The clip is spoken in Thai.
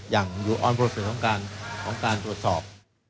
อย่างอยู่ออนโปรเซินท์ของการตรวจสอบ